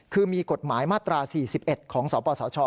คือมีกฎหมายมาตรา๔๑ของสปสช